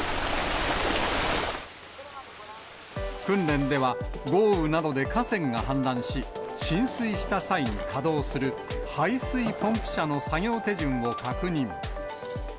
訓練では、豪雨などで河川が氾濫し、浸水した際に稼働する排水ポンプ車の作業手順を確認。